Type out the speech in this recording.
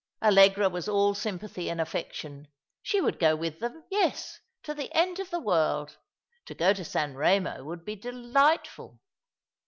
Allegra was all sympathy and affection. She would go with them — yes, to the end of the world. To go to San Eemo wonld be delightful.